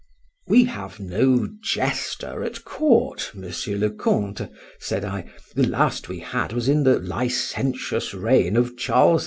We have no jester at court, Monsieur le Count, said I; the last we had was in the licentious reign of Charles II.